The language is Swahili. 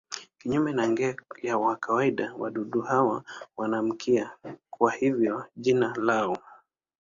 Kinyume na nge wa kawaida wadudu hawa hawana mkia, kwa hivyo jina lao.